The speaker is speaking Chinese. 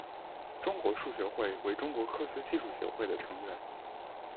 中国数学会为中国科学技术协会的成员。